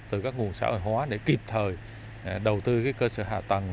từ các nguồn xã hội hóa để kịp thời đầu tư cơ sở hạ tầng